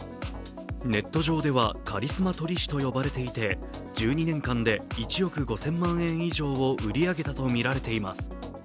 ネット上では、カリスマ撮り師と呼ばれていて、１２年間で１億５０００万円以上を売り上げたとみられています。